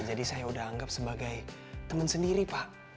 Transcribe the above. jadi saya udah anggap sebagai temen sendiri pak